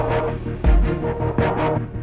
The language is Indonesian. sampai jumpa lagi